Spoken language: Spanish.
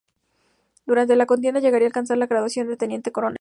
Durante la contienda llegaría a alcanzar la graduación de teniente coronel.